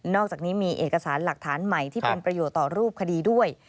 อกจากนี้มีเอกสารหลักฐานใหม่ที่เป็นประโยชน์ต่อรูปคดีด้วย